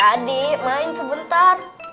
adik main sebentar